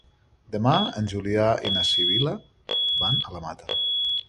Demà en Julià i na Sibil·la van a la Mata.